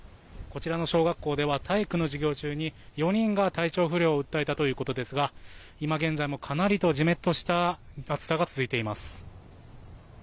こちらの小学校では体育の授業中に４人が体調不良を訴えたということですが今現在もかなりジメッとした暑さが続いています。